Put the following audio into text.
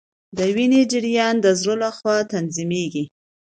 د وینې جریان د زړه لخوا تنظیمیږي